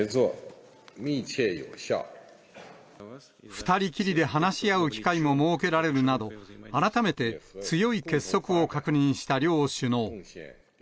２人きりで話し合う機会も設けられるなど、改めて強い結束を確認した両首脳。